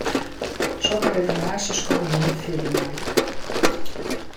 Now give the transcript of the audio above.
Sokke redenaasjes komme wy net fierder mei.